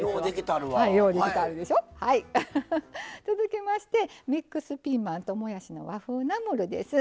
続きましてミックスピーマンともやしの和風ナムルです。